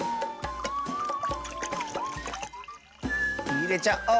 いれちゃおう！